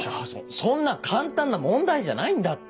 そんな簡単な問題じゃないんだって。